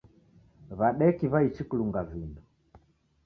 W'adeki w'aichi kulunga vindo.